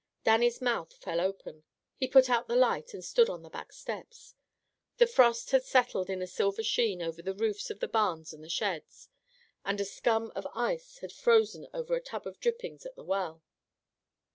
Dannie's mouth fell open. He put out the light, and stood on the back steps. The frost had settled in a silver sheen over the roofs of the barns and the sheds, and a scum of ice had frozen over a tub of drippings at the well.